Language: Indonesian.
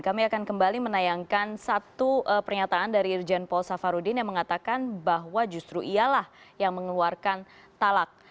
kami akan kembali menayangkan satu pernyataan dari irjen paul safarudin yang mengatakan bahwa justru ialah yang mengeluarkan talak